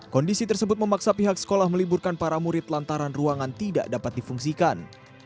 kondisi tersebut memaksa pihak sekolah meliburkan para murid lantaran ruangan tidak dapat difungsikan